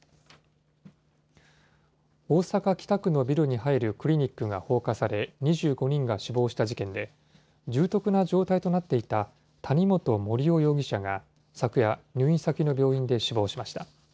大阪・北区のビルに入るクリニックが放火され、２５人が死亡した事件で、重篤な状態となっていた谷本盛雄容疑者が昨夜、入院先の病院で死亡しました。